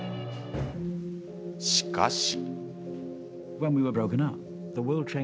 しかし。